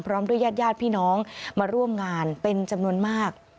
พร้อมด้วยญาติญาติพี่น้องมาร่วมงานเป็นจำนวนมาก